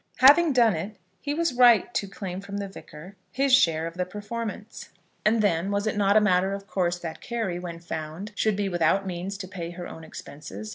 Having done it, he was right to claim from the Vicar his share of the performance. And then, was it not a matter of course that Carry, when found, should be without means to pay her own expenses?